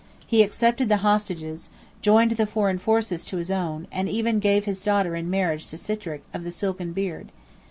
He accepted the hostages, joined the foreign forces to his own, and even gave his daughter in marriage to Sitrick of "the silken beard."